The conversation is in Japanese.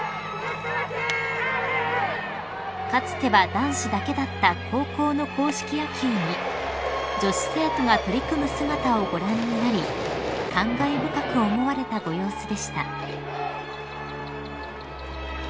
［かつては男子だけだった高校の硬式野球に女子生徒が取り組む姿をご覧になり感慨深く思われたご様子でした］